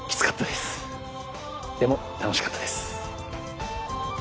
でも楽しかったです。